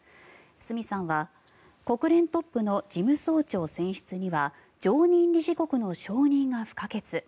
角さんは国連トップの事務総長選出には常任理事国の承認が不可欠。